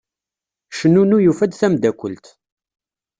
Cnunnu yufa-d tamdakelt.